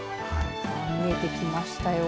見えてきましたよ。